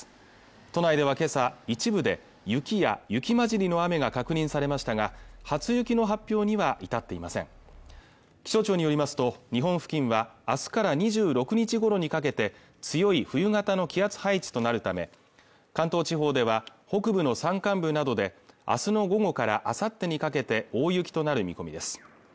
都内では今朝一部で雪や雪混じりの雨が確認されましたが初雪の発表には至っていません気象庁によりますと日本付近はあすから２６日ごろにかけて強い冬型の気圧配置となるため関東地方では北部の山間部などであすの午後からあさってにかけて大雪となる見込みです